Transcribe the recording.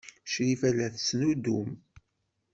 Crifa la tettnuddum.